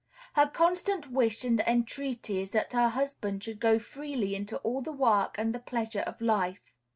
Her constant wish and entreaty is that her husband should go freely into all the work and the pleasure of life.